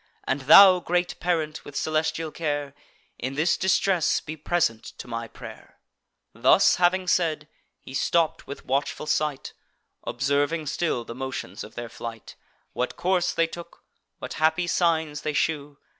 And thou, great parent, with celestial care, In this distress be present to my pray'r!" Thus having said, he stopp'd with watchful sight, Observing still the motions of their flight, What course they took, what happy signs they shew.